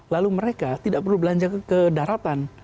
lalu mereka tidak perlu belanja ke daratan